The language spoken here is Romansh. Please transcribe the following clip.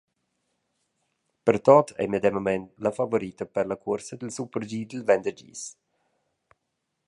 Berthod ei medemamein la favorita per la cuorsa dil super-G dil venderdis.